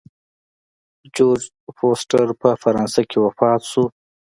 جورج فورسټر په فرانسه کې وفات شو.